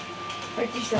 入ってきた？